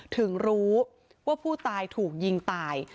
ถึงรู้ว่าผู้ตายถูกยิงตาย